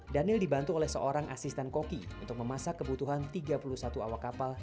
daniel dibantu oleh seorang asisten koki untuk memasak kebutuhan tiga puluh satu awak kapal